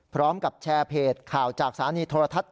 พร้อมกับแชร์เพจข่าวจากสถานีโทรทัศน